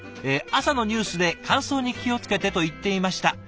「朝のニュースで乾燥に気をつけてと言っていました。